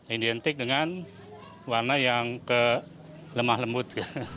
identik dengan warna yang ke lemah lembut